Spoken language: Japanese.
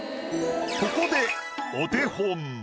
ここでお手本。